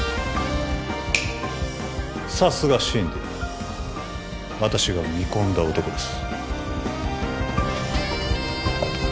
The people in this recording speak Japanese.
さすがシンディー私が見込んだ男です